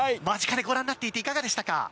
間近でご覧になっていて、いかがでしたか。